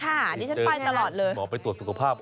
ค่ะนี่ฉันไปตลอดเลย